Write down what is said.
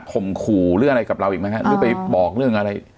คมขู่อะไรกับเราอีกไหมไปบอกเรื่องอะไร